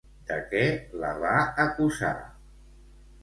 De què la va acusar?